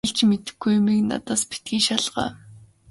Хэлж мэдэхгүй юмыг надаас битгий шалгаа.